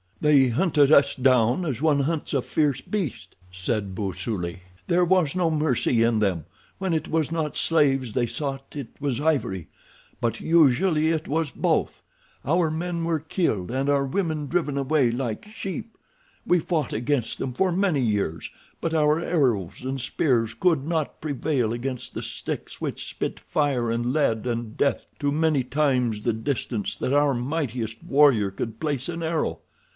"They hunted us down as one hunts a fierce beast," said Busuli. "There was no mercy in them. When it was not slaves they sought it was ivory, but usually it was both. Our men were killed and our women driven away like sheep. We fought against them for many years, but our arrows and spears could not prevail against the sticks which spit fire and lead and death to many times the distance that our mightiest warrior could place an arrow.